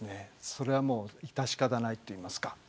それは致し方ないといいますか。